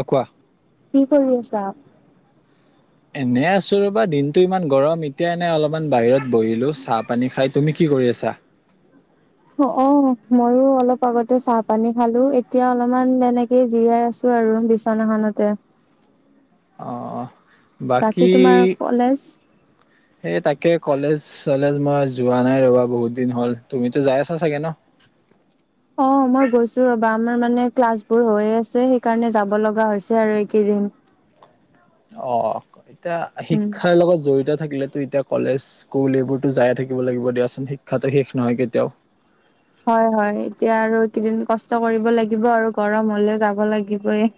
অ কোৱা কি কৰি আছা? এনে আছোঁ ৰবা দিনতটো ইমান গৰম এতিয়া এনে অলপমান বাহিৰত বহিলোঁ চাহ পানী খাই তুমি? কি কৰি আছা? অ', ময়ো অলপ আগতে চাহ, পানী খালোঁ এতিয়া অলপমান তেনেকেই জিৰাই আছোঁ। আছোঁ আৰু বিছনাখনতে। অ', অ', বাকী তোমাৰ কলেজ এই তাকে, কলেজ, চলেজ মই যোৱা নাই ৰ'বা বহুত দিন হ'ল তুমিতো যায় আছা চাগে ন? অ', মই গৈছোঁ ৰ'বা আমাৰ মানে ক্লাছবোৰ হৈয় আছে, সেইকাৰণে যাব লগা হৈছে আৰু এইকেইদি দিন অ', এতিয়া উম শিক্ষাৰ লগত জড়িত থাকিলে ত' এতিয়া কলেজ, স্কুল এইবোৰতো যায়ে থাকিব লাগিব দিয়াচোন, শিক্ষাটো শেষ নহয় কেতিয়াও। হয়, হয়, এতিয়া আৰু এইকেইদিন কষ্ট কৰিব লাগিব আৰু গৰম হ'লেও যাব লাগিবই।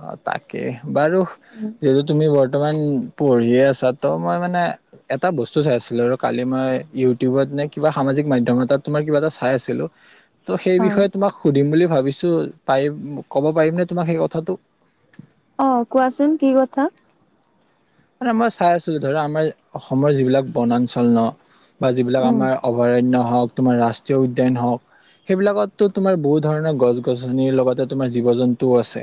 অ', তাকেই, বাৰু উম, যিহেতু তুমি বৰ্ত বৰ্তমান পঢ়িয়ে আছা, ত' মই মানে এটা বস্তু চাই আছিলোঁ আৰু কালি মই ইউটিউবত মানে কিবা সামাজিক মাধ্যম এটাত তোমাৰ কিবা এটা চাই আছিলোঁ। ত' সেই হয় বিষয়ে তোমাক সুধিম বুলি ভাবিছোঁ। পাৰিম ক'ব পাৰিমনে তোমাক সেই কথাটো? অ', কোৱাচোন, কি কথা। মানে মই চাই আছিলোঁ ধৰা আমাৰ অসমৰ যিবিলাক বনাঞ্চল ন'। বা যিবিলাক উম আমাৰ অভয়াৰণ্য হওঁক তোমাৰ ৰাষ্ট্ৰীয় উদ্যান হওঁক। সেইবিলাকতো তোমাৰ বহুত ধৰণৰ গছ, গছনিৰ লগতে তোমাৰ জীৱ, জন্তুয়ো আছে।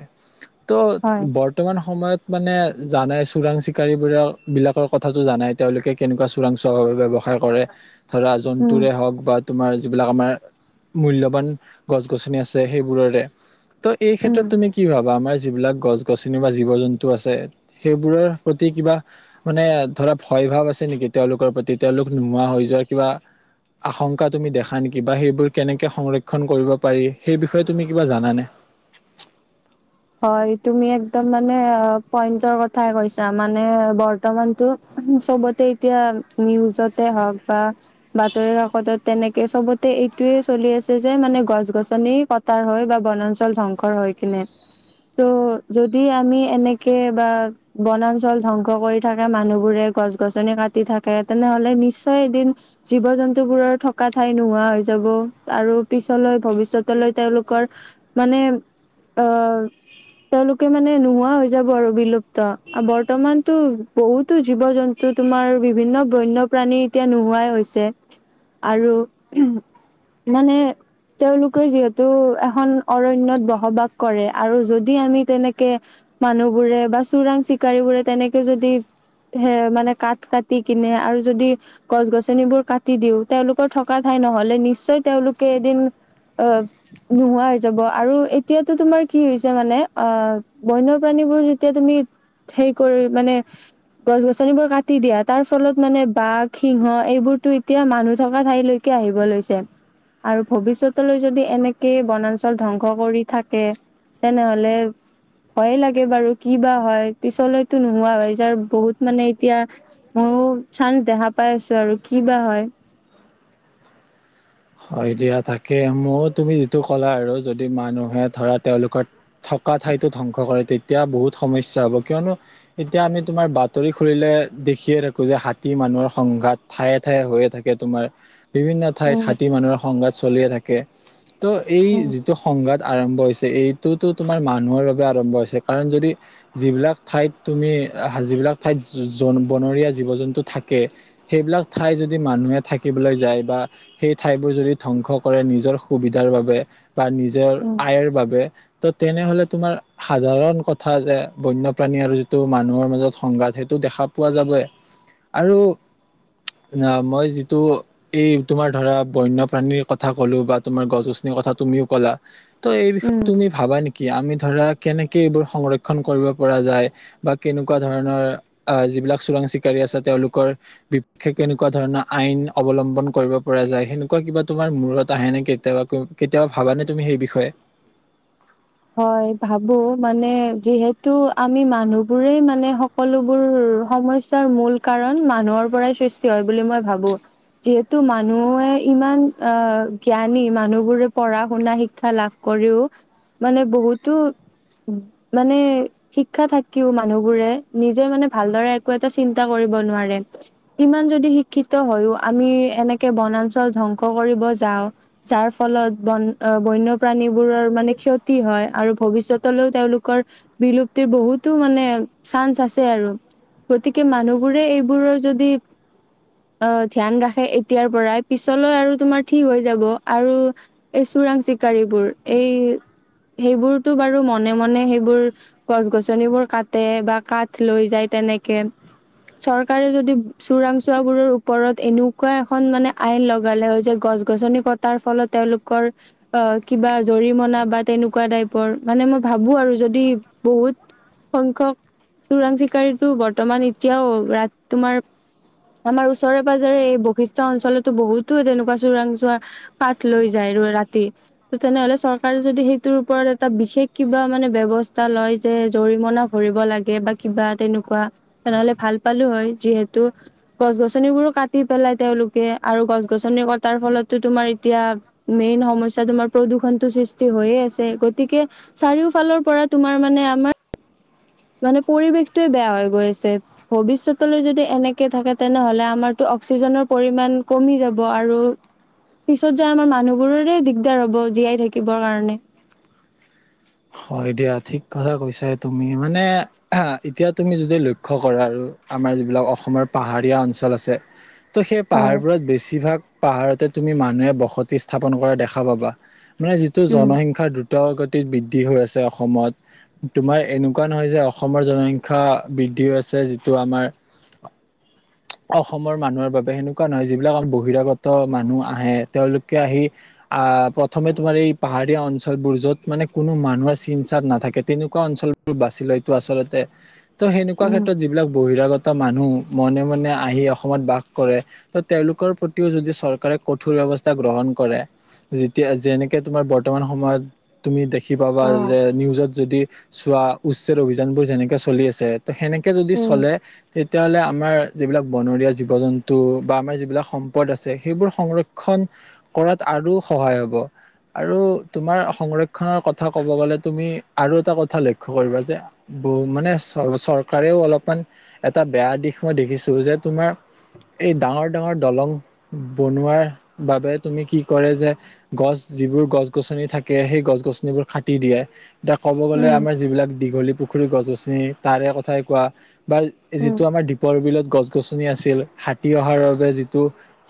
ত' হয় বৰ্তমান সময়ত মানে জানাই চোৰাং চি চিকাৰী বোৰৰ বিলাকৰ কথাটো জানাই তেওঁলোকে কেনেকুৱা চোৰাং [unintelligible] ব্যৱসায় কৰে ধৰা উম জন্তুৰে হওক বা তোমাৰ যোন বিলাক আমাৰ মূল্যৱান গছ গছনি আছে সেইবোৰৰে। ত' এই উম ক্ষেত্ৰত তুমি কি ভাবা আমাৰ যিবিলাক গছ-গছনি বা জীৱ জন্তু আছে সেইবোৰৰ প্ৰতি কিবা মানে ধৰা ভয় ভাৱ আছে নেকি তেওঁলোকৰ প্ৰতি তেওঁলোক নোহোৱা হৈ যোৱা কিবা আশংকা তুমি দেখা নেকি বা সেইবোৰ কেনেকে সংৰক্ষণ কৰিব পাৰি সেই বিষয়ে তুমি কিবা জানানে? [inaudible] হয় তুমি একদম মানে পয়েন্টৰ কথায়ে কইচা মানে বৰ্তমান টো চবতে এতিয়া নিউজতে হওক বা বাতৰি কাকতত তেনেকে চবতে এইটোয়ে চলি আছে যে মানে গছ গছনি কটাৰ হৈ বা বনাঞ্চল ধ্বংসৰ হৈ কিনে। ত' যদি আমি এনেকে বা বনাঞ্চল ধ্বংস কৰি থাকে মানুহ বোৰে গছ গছ-গছনি কাটি থাকে তেনেহলে নিশ্চয় এদিন জীৱ জন্তু বোৰৰ থকা ঠাই নোহোৱা হৈ যাব। আৰু পিছলৈ ভৱিষ্যতলৈ তেওঁলোকৰ মানে অ, তেওঁলোকে মানে নোহোৱা হৈ যাব আৰু বিলুপ্ত আৰু বৰ্তমানতো বহুতো জীৱ জন্তু ত' তোমাৰ বিভিন্ন বন্যপ্ৰাণী এতিয়া নোহোৱাই হৈছে আৰু মানে তেওঁলোকে যিহেতু এখন অৰণ্যত বসবাস কৰে আৰু যদি আমি তেনেকে মানুহবোৰে বা চোৰাং-চিকাৰী বোৰে তেনেকে যদি সে মানে কাঠ কাটি কিনে আৰু যদি গছ-গছনিবোৰ কাটি দিও তেওঁলোকৰ থকা ঠাই নহলে নিশ্চয় তেওঁলোকে এদিন অ নোহোৱা হৈ যাব আৰু এতিয়া তো তোমাৰ কি হৈছে মানে অ বন্য প্ৰাণীবোৰ যেতিয়া তুমি হেই কৰি মানে গছ-গছনিবোৰ কাটি দিয়া, তাৰ ফলত মানে বাঘ, সিংহ এইবোৰতো এতিয়া মানুহ থকা ঠাইলৈকে আহিব লৈছে আৰু ভৱিষ্যতলৈ যদি এনেকে বনাঞ্চল ধ্বংস কৰি থাকে তেনেহলে ভয়ে লাগে বাৰু। কি বা হয় পিছলৈতো নোহোৱা হয় যাৰ বহুত মানে এতিয়া বহুত চান্ট দেখা পাই আছো আৰু কি বা হয়? হয় দিয়া তাকে। মই তুমি যিটো ক'লা আৰু যদি মানুহে ধৰা তেওঁলোকৰ থকা ঠাইতো ধ্বংস কৰে তেতিয়া বহুত সমস্যা হব। কিয়নো এতিয়া আমি তোমাৰ বাতৰি খুলিলে দেখিয়ে থাকো যে হাতী মানুহৰ সংঘাত ঠায়ে-ঠায়ে হৈয়ে থাকে তোমাৰ বিভিন্ন ঠাইত উম হাত সংঘাত চলিয়ে থাকে। ত' এই উম যিটো সংঘাত আৰম্ভ হৈছে। এইটোতো তোমাৰ মানুহৰ বাবে আৰম্ভ হৈছে কাৰণ যদি যিবিলাক ঠাইত তুমি যিবিলাক ঠাইত জন বনৰীয়া জীৱ-জন্তু থাকে সেইবিলাক ঠাই যদি মানুহে থা কিবলৈ যায় বা সেই ঠাইবোৰ যদি ধ্বংস কৰে নিজৰ সুবিধাৰ বাবে বা নিজৰ উম। আয়ৰ বাবে ত' তেনেহলে তোমাৰ সাধাৰণ কথা যে বন্যপ্ৰাণী আৰু যিটো মানুহৰ মাজত সংঘাত সেইটো দেখা পোৱা যাবয়ে আৰু অ মই যিটো এই তোমাৰ ধৰা বন্যপ্ৰাণীৰ কথা ক'লো বা তোমাৰ গছ-গছনিৰ কথা তুমিও ক'লা ত' এই বিষয়ে উম তুমি ভাবা নেকি? কি আমি ধৰা কেনেকে এইবোৰ সংৰক্ষণ কৰিব পৰা যায় বা কেনেকুৱা ধৰণৰ যিবিলাক চোৰাং চিকাৰী আছে, তেওঁলোকৰ বিপক্ষে কেনেকুৱা ধৰণৰ আইন অৱলম্বন কৰিব। পৰা যায় সেনেকুৱা কিবা তোমাৰ মূৰত আহে নে কেতিয়া কেতিয়াবা ভাবানে তুমি সেই বিষয়ে? [inaudible] হয় ভাবো, মানে যিহেতু আমি মানুহ বোৰেই মানে সকলোবোৰ সমস্যাৰ মূল কাৰণ মানুহৰ পৰাই সৃষ্টি হয় বুলি মই ভাবো যিহেতু মানুহে ইমান আহ জ্ঞানী মানুহবোৰে পঢ়া-শুনা শিক্ষা লাভ কৰিও মানে বহুতো মানে শিক্ষা থাকিও মানুহবোৰে নিজে মানে ভালদৰে একো এটা চিন্তা কৰিব। ইমান যদি শিক্ষিত হয়ও আমি এনেকে বনাঞ্চল ধ্বংস কৰিব যাওঁ। যাৰ ফলত বন বন্যপ্ৰাণীবোৰৰ মানে কতি তি হয়, আৰু ভৱিষ্যতলৈও তেওঁলোকৰ বিলুপ্তিৰ বহুতো মানে চান্স আছে আৰু। গতিকে মানুহবোৰে এইবোৰৰ যদি অ', ধ্যান ৰাখে এতিয়াৰ পৰাই পিছলৈ আৰু তোমাৰ ঠিক হৈ যাব। আৰু এই চোৰাং চিকাৰীবোৰ, এই সেইবোৰতো বাৰু মনে মনে সেইবোৰ গছ- গছনিবোৰ কাটে বা কাঠ লৈ যায়। তেনেকে। চৰকাৰে যদি চোৰাংচোৱা বোৰৰ ওপৰত এনেকুৱা এখন মানে আইন লগালে হয় যে, গ গছ - গছনি কটাৰ ফলত তেওঁলোকৰ অ', কিবা জৰিমনা বা তেনেকুৱা টাইপৰ, মানে মই ভাবো আৰু যদি বহুত সংখ্যক চোৰাং চিকাৰীটো বৰ্তমান এতিয়াও ৰাত তোমাৰ আমাৰ ওচৰে-পাজৰে এই বশিষ্ট অঞ্চলতো বহুতো তেনেকুৱা চোৰাংচোৱা কাঠ লৈ যায়। ৰাতি। ত' তেনেহলে চৰকাৰ যদি সেই তোৰ ওপৰত এটা বিশেষ কিবা মানে ব্যৱস্থা লয় যে, জৰিমনা ভৰিব লাগে বা কিবা তেনোক কোৱা তেনেহলে ভাল পালো হয়, যিহেতু গছ- গছনিবোৰো কাটি পেলাই তেওঁলোকে আৰু গছ-গছনি কটাৰ ফলতো তোমাৰ এতিয়া, মেইন সমস্যা তোমাৰ প্ৰদূষণটো সৃষ্টি হৈয়ে আছ গতিকে চাৰিওফালৰ পৰা তোমাৰ মানে আমাৰ মানে পৰিৱেশটোৱে বেয়া হৈ গৈ আছে। ভৱিষ্যতলৈ যদি এনেকে থাকে তেনেহলে আমাৰটো অক্সিজেনৰ পৰিমাণ কমি যাব, আৰু পিছত যায় আমাৰ মানুহবোৰৰে দিগদাৰ হ'ব জীয়াই থাকিবৰ কাৰণে। হয় দিয়া ঠিক কথা কৈছাই তুমি মানে, এতিয়া তুমি যদি লক্ষ্য কৰা আৰু আমাৰ যিবিলাক অসমৰ পাহাৰীয়া অঞ্চল আছে ত' সেই হয়, পাহাৰবোৰত বেছিভাগ পাহাৰতে তুমি মানুহে বসতি স্থাপন কৰা দেখা পাবা। মানে যিটো উম, জনসংখ্যা দ্ৰুত গতিত বৃদ্ধি হৈ আছে অসমত তোমাৰ এনেকুৱা নহয় যে অসমৰ জনসংখ্যা বৃদ্ধি আছে যিটো আমাৰ [inaudible] অসমৰ মানুহৰ বাবে সেনেকুৱা নহয় যিবিলাক বহিৰাগত মানুহ আহে, তেওঁলোকে আহি অ', প্ৰথমে তোমাৰ এই পাহাৰীয়া অঞ্চলবোৰ যত মানে কোনো মানুহৰ চিন চাত নাথাকে তেনেকুৱা অঞ্চলবোৰ বাচিলয়তো আচলতে ত' সেনেকুৱা উম, ক্ষেত্ৰত যিবিলাক বহিৰাগত মানুহ মনে মনে আহি অসমত বাস কৰে, ত' তেওঁলোকৰ প্ৰতিও যদি চৰকাৰে কঠোৰ ব্যৱস্থা গ্ৰহণ কৰে, যেতিয়া যেনেকে তোমাৰ বৰ্তমান সময়ত তুমি দেখ খি পাবা অ', যে, নিউজত যদি চোৱা উচ্ছেদ অভিযান বোৰ যেনেকে চলি আছে সেনেকে যদি উম, চলে সেইত তিয়াহ'লে আমাৰ যিবিলাক বনৰীয়া জীৱ-জন্তু বা আমাৰ যিবিলাক সম্পদ আছে সেইবোৰ সংৰক্ষণ কৰাত আৰু সহায় হ'ব। আৰু তোমাৰ সংৰক্ষণৰ কথ কথা কব গ'লে তুমি আৰু এটা কথা লক্ষ্য কৰিবা যে বু মানে চৰ-চৰকাৰেও অলপমান এটা বেয়া দিশ মই দেখিছো যে তোমাৰ এই ডাঙৰ ডাঙৰ দলং বনোৱাৰ বাবে তুমি কি কৰে যে গছ যিবোৰ গছ-গছনি থাকে সেই গছ-গছনিবোৰ কাটি দিয়ে। এতিয়া ক'ব গ'লে উম, আমাৰ যিবিলাক দীঘলী পুখুৰী গছ-গছনি তাৰে কথাই কোৱা বা উম, যিটো আমাৰ দ্বীপৰ বিলত গছ গছ-গছনি আছিল, হাতী অহাৰ বাবে যিটো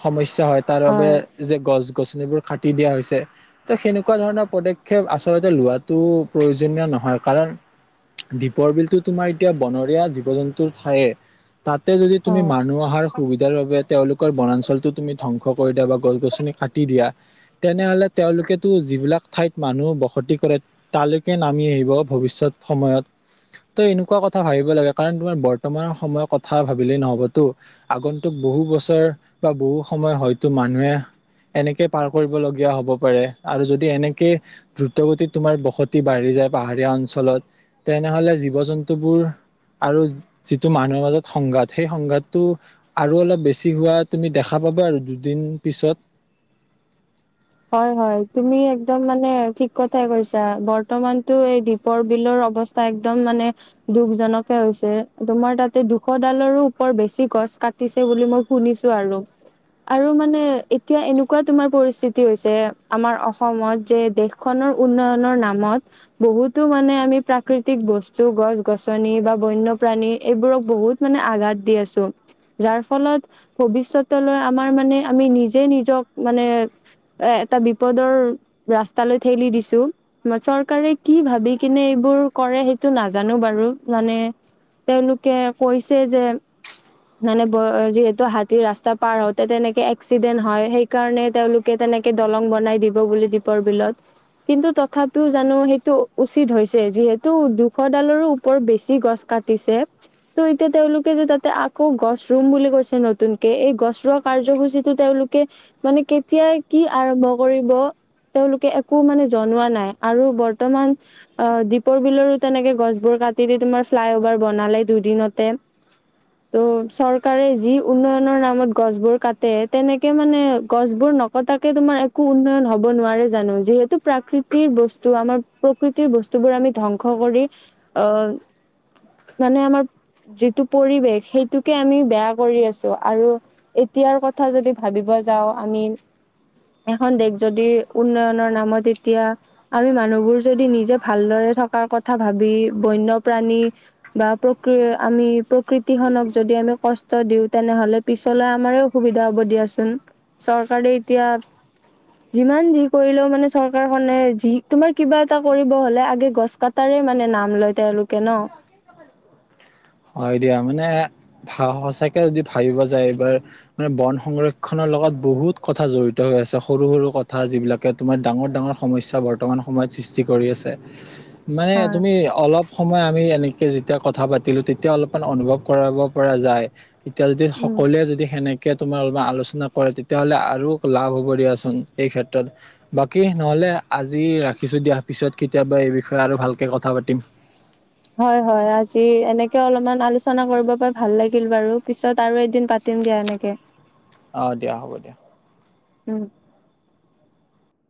সমস্যা হয় তাৰ বাবে যে গছ গছ-গছনিবোৰ কাটি দিয়া হৈছে, ত সেনেকুৱা ধৰণৰ পদক্ষে আচলতে লোৱাটো প্ৰয়োজনীয় নহয়, কাৰণ দীপৰ বিলটো তোমাৰ এতিয়া বনৰীয়া জীৱ-জন্তুৰ ঠাইয়ে। তাতে যদি তুমি হয়। মানুহ অহাৰ সুবিধাৰ বাবে তেওঁলোক ৰ বনাঞ্চলটো তুমি ধ্বংস কৰি দিয়া বা গছ-গছনি কাটি দিয়া তেনেহ'লে তেওঁলোকেতো যিবিলাক ঠাইত মানুহ বসতি কৰে তালৈকে নামি আহিব ভৱিষ্যত সময়ত। ত এনেকুৱা কথা ভাবিব লাগে কাৰণ তোমাৰ বৰ্তমান সময়ৰ কথা ভাবিলেই নহবতো। আগন্তুক বহু বছৰ বা বহু সময় হয়তো মানুহে এনেকে পাৰ কৰিবলগীয়া হ'ব পাৰে আৰু যদি এনেকে দ্ৰুতগতিত তোমাৰ বসতি বাঢ়ি যায় পাহাৰীয়া অঞ্চলত তেনেহ'লে জীৱ জন্তুবোৰ আৰু যিটো মানুহৰ মাজত সংঘাত সেই সংঘাটো আৰু অলপ বেছি হোৱা তুমি দেখা [unintelligible] দুদিন পিছত হয়, হয়, তুমি একদম মানে ঠিক কথাই কৈছা৷ বৰ্তমানটো এই দীপৰ বিলৰ অৱস্থা একদম মানে দুখজনকে হৈছে, তোমাৰ তাতে দুশ ডালৰো ওপৰ বেছি‌ গ গছ কাটিছে বুলি মই শুনিছোঁ আৰু, আৰু মানে এতিয়া এনেকুৱা তোমাৰ পৰিস্থি হৈছে আমাৰ অসমত যে, দেশখনৰ উন্নয়নৰ নামত বহুতো মানে আমি প্ৰাকৃতিক বস্তু, গছ গছনি বা বন্যপ্ৰাণী এইবোৰক বহুত মানে আঘাত দি আছোঁ। যাৰ ফলত ভৱিষ্যতলৈ আমাৰ মানে আমি নিজে নিজক মানে এ, এটা বিপদৰ ৰাস্তালৈ ঠেলি দিছোঁ, চৰকাৰে কি ভাবি কিনে এই বোৰ কৰে সেইটো নাজানোঁ বাৰু মানে, তেওঁলোকে কৈছে যে মানে যিহেতু হাতী ৰাস্তা পাৰ হওঁতে তেনেকে এক্সিডেন্ট হয়, সেইকাৰণে তেওঁলোক কে, তেনেকে দলং বনাই দিব বুলি দীপৰ বিলত, কিন্তু তথাপিও জানোঁ সেইটো উচিত হৈ যিহেতু দুশডালৰো ওপৰ বেছি গছ কাটিছে, ত' এতিয়া তেওঁলোকে যে, তাতে আ আকৌ গছ ৰুম বুলি কৈছে নতুনকে, এই গছৰোৱা কাৰ্যসূচীতো তেওঁলোকে মানে কে কেতিয়া কি আৰম্ভ কৰিব? তেওঁলোকে একো মানে জনোৱা নাই, আৰু বৰ্তমান অ', দীপৰ বিলৰো তেনেকে গছবোৰ কাটি দি তোমাৰ ফ্লাই অভাৰ বনালে দুদিনতে ত' চৰকাৰে যি উন্নয়নৰ নামত গছবোৰ কাটে তেনেকে মানে গছ বোৰ নকটাকে তোমাৰ একো উন্নয়ন হ'ব নোৱাৰে জানো? যিহেতু প্ৰাকৃতিৰ বস্তু আমাৰ প্ৰকৃতি বস্তুবোৰ আমি ধ্বংস কৰি অ', মানে আমাৰ যিটো পৰিৱেশ সেইটোকে আমি বেয়া কৰি আছোঁ, আৰু এতিয়াৰ কথা যদি ভাবিব যাওঁ আমি এখন দেশ যদি উন্নয়নৰ নামত তেতিয়া, আমি মানুহবোৰ যদি নিজে ভালদৰে থাক কাৰ কথা ভাবি বন্যপ্ৰাণী বা প্ৰকৃ আমি প্ৰকৃতি খনক যদি আমি কষ্ট দিওঁ। তেনে হ'লে পিছলৈ আমাৰে অসুবিধা হ'ব দিয়াচোন৷ চৰক কাৰে এতিয়া যিমান যি কৰিলেও মানে চৰকাৰখনে যি তোমাৰ কিবা এটা কৰিব হ'লে আগে গছ কটাৰ মানে নাম লয় তেওঁলোকে ন। হয় দিয়া। মানে সঁচাকে যদি ভাবিব যায় এইবাৰ মানে বন সংৰক্ষণৰ বহুত কথা জড়িত হৈ আছে সৰু সৰু কথা যিবিলাকে তোমাৰ ডাঙৰ ডাঙৰ সমস্যা বৰ্তমান সময়ত সৃষ্টি কৰি আছে৷মানে হয় তুমি অলপ সময় আমি এনেকে যেতিয়া কথা পাতিলোঁ তেতি তেতিয়া অলপমান অনুভৱ কৰাব পৰা যায়। এতিয়া যদি উম সকলোৱে যদি সেনেকে তোমাৰ অলপ আলোচনা কৰে তেতিয়াহ'লে আৰু লাভ হ'ব দিয়াচোন এই ক্ষেত্ৰত বাকী নহ'লে আজি ৰাখিছোঁ দিয়া৷ পিছত কেতিয়াবা এই বিষয়ে আৰু ভালকে কথা পাতিম৷ [inaudible] হয়, হয়। আজি এনেকে অলপমান আলোচনা কৰিব পাই ভাল লাগিল বাৰু, পিছত আৰু এদিন পাতি তিম দিয়া এনেকে৷ অ' দিয়া হ'ব দিয়া৷ উম।